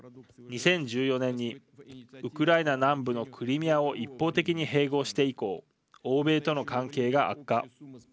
２０１４年にウクライナ南部のクリミアを一方的に併合して以降欧米との関係が悪化。